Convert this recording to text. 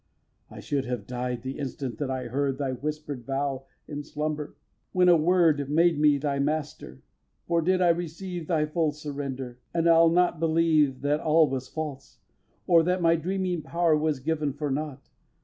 vii. I should have died the instant that I heard Thy whisper'd vow in slumber, when a word Made me thy master, for I did receive Thy full surrender, and I'll not believe That all was false; or that my dreaming power Was given for nought.